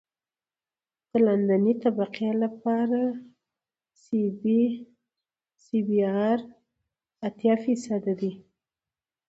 د لاندنۍ طبقې لپاره سی بي ار اتیا فیصده دی